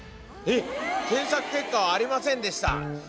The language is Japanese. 「検索結果はありませんでした」。